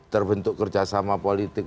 terbentuk kerjasama politik